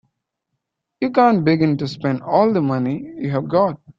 You can't begin to spend all the money you've got.